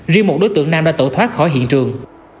riêng một đối tượng nam đã tẩu thoát khỏi hiện trường